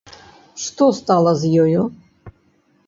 Што стала з ёю?